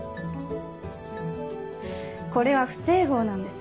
これは不整合なんです